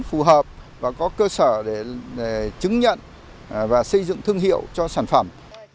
phù hợp và có cơ sở để chứng nhận và xây dựng thương hiệu cho sản phẩm